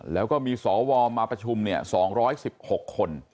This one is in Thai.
แล้วก็มีสวมาประชุม๒๑๖คน